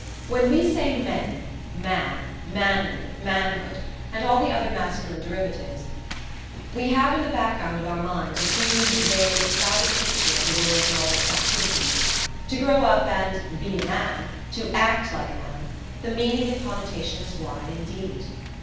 When we say men, man, manly, manhood, and all the other masculine derivatives, we have in the background of our minds a huge vague crowded picture of the world and all its activities. To grow up and "be a man," to "act like a man" the meaning and connotation is wide indeed.